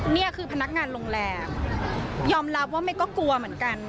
นี่คือพนักงานโรงแรมยอมรับว่าเมย์ก็กลัวเหมือนกัน